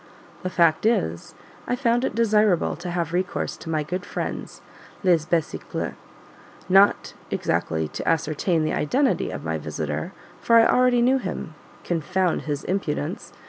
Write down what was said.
The fact is, I found it desirable to have recourse to my good friends "les besicles;" not exactly to ascertain the identity of my visitor for I already knew him, confound his impudence!